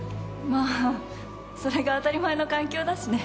まあそれが当たり前の環境だしね。